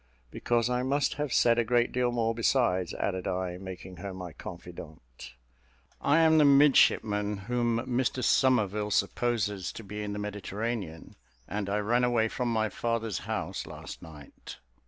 "Because I must have said a great deal more; besides," added I, making her my confidante. "I am the midshipman whom Mr Somerville supposes to be in the Mediterranean, and I ran away from my father's house last night."